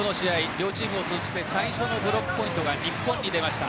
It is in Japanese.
両チームを通じて最初のブロックポイントが日本に出ました。